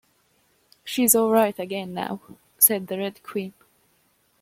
‘She’s all right again now,’ said the Red Queen.